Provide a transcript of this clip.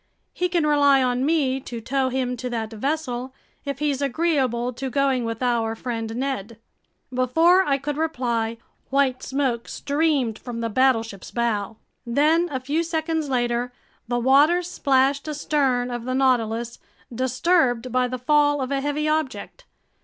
He can rely on me to tow him to that vessel, if he's agreeable to going with our friend Ned." Before I could reply, white smoke streamed from the battleship's bow. Then, a few seconds later, the waters splashed astern of the Nautilus, disturbed by the fall of a heavy object.